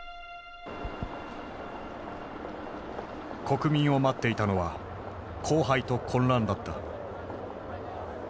国民を待っていたのは荒廃と混乱だった。